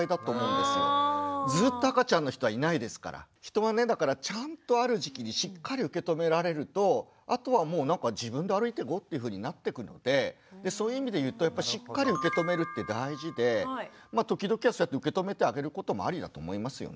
人はねだからちゃんとある時期にしっかり受け止められるとあとはもうなんか自分で歩いていこうっていうふうになってくのでそういう意味でいうとやっぱしっかり受け止めるって大事で時々はそうやって受け止めてあげることもありだと思いますよね。